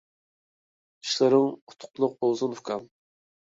ئىشلىرىڭ ئۇتۇقلۇق بولسۇن ئۇكام.